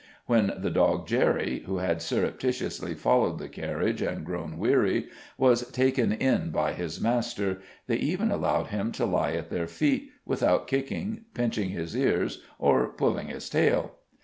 When the dog Jerry, who had surreptitiously followed the carriage and grown weary, was taken in by his master, they even allowed him to lie at their feet without kicking, pinching his ears, or pulling his tail.